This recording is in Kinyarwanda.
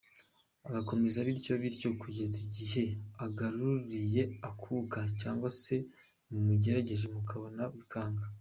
Ugakomeza bityo bityo kugeze igihe agaruriye akuka cyangwa se mumugereje mu maboko y’abaganga.